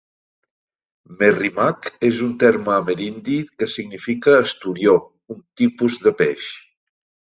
"Merrimack" és un terme amerindi que significa "esturió", un tipus de peix.